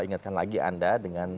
ingatkan lagi anda dengan